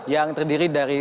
yang terdiri dari